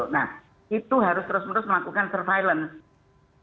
nah itu harus terus menerus melakukan surveillance